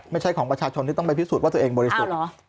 ไม่ใช่ของประชาชนที่ต้องไปพิสูจน์ว่าตัวเองบริสุทธิ์